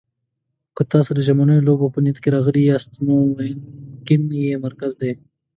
که تاسو د ژمنیو لوبو په نیت راغلي یاست، نو وینګن یې مرکز دی.